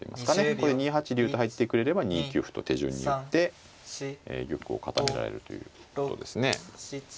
これ２八竜と入ってくれれば２九歩と手順に打って玉を固められるということですね。